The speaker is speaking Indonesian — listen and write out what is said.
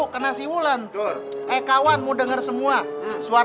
kayak ikan sepakan